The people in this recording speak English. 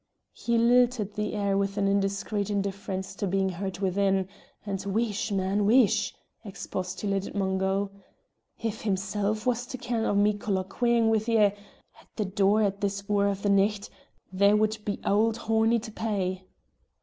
He lilted the air with indiscreet indifference to being heard within; and "Wheesh! man, wheesh!" expostulated Mungo. "If himsel' was to ken o' me colloguing wi' ye at the door at this 'oor o' the nicht, there wad be Auld Hornie to pay."